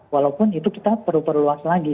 walaupun itu kita perlu perluas lagi